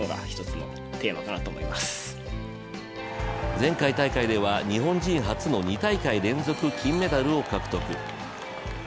前回大会では、日本人初の２大会連続金メダルを獲得。